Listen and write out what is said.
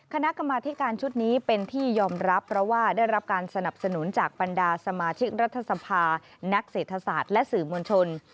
คณะกรรมาธิการชุดนี้เป็นที่ยอมรับเพราะว่าได้รับการสนับสนุนจากบรรดาสมาชิกรัฐสภานักเศรษฐศาสตร์และสื่อมวลชน